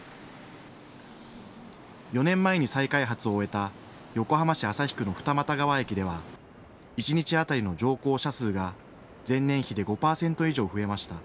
４年前に再開発を終えた横浜市旭区の二俣川駅では一日当たりの乗降者数が前年比で５％以上増えました。